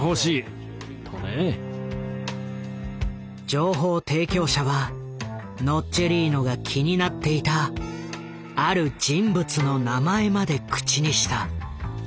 情報提供者はノッチェリーノが気になっていたある人物の名前まで口にした。